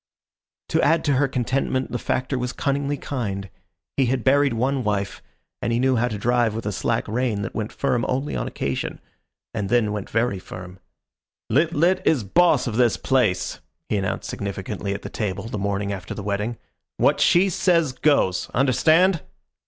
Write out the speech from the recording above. To add to her contentment, the Factor was cunningly kind. He had buried one wife, and he knew how to drive with a slack rein that went firm only on occasion, and then went very firm. "Lit lit is boss of this place," he announced significantly at the table the morning after the wedding. "What she says goes. Understand?"